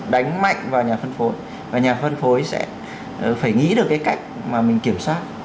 đánh mạnh vào nhà phân phối và nhà phân phối sẽ phải nghĩ được cái cách mà mình kiểm soát